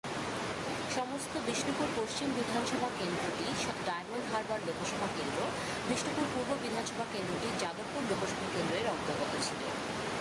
সমস্ত বিষ্ণুপুর পশ্চিম বিধানসভা কেন্দ্রটি ডায়মন্ড হারবার লোকসভা কেন্দ্র, বিষ্ণুপুর পূর্ব বিধানসভা কেন্দ্রটি যাদবপুর লোকসভা কেন্দ্র এর অন্তর্গত ছিল।